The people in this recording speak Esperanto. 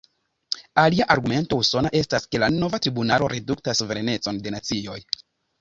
Alia argumento usona estas, ke la nova tribunalo reduktas suverenecon de nacioj.